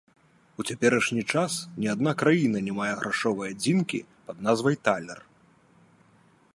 У цяперашні час ні адна краіна не мае грашовай адзінкі пад назвай талер.